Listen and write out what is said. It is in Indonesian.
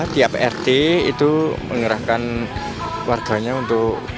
tiap rt itu mengerahkan warganya untuk